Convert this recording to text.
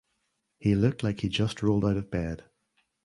He looked like he just rolled out of bed.